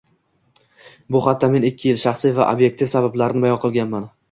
Bu xatda men ikki xil — shaxsiy va ob’ektiv sabablarni bayon qilganman